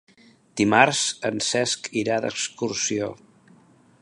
Dimarts en Cesc irà d'excursió.